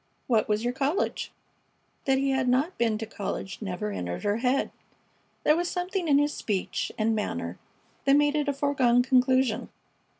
"What was your college?" That he had not been to college never entered her head. There was something in his speech and manner that made it a foregone conclusion.